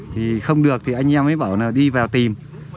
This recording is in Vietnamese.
thì không được thì anh em mới bảo là đi vào tìm